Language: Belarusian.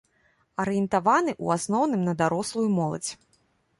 Арыентаваны ў асноўным на дарослую моладзь.